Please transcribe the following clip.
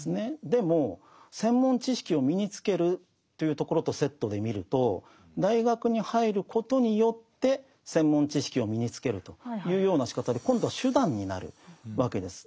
でも専門知識を身につけるというところとセットで見ると大学に入ることによって専門知識を身につけるというようなしかたで今度は手段になるわけです。